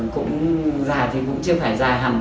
cũng dài thì cũng chưa phải dài hẳn